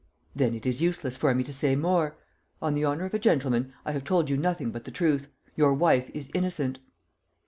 "Then it is useless for me to say more. On the honour of a gentleman, I have told you nothing but the truth. Your wife is innocent."